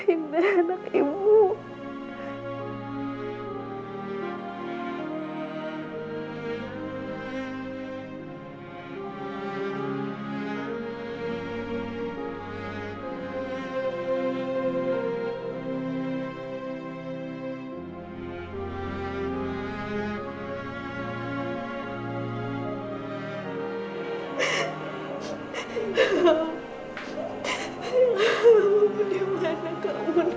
ibu dimana kamu nanti